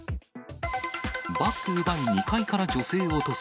バッグ奪い２階から女性落とす。